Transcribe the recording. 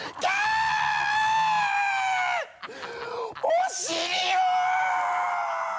お尻を！